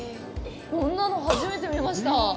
こんなの初めて見ました。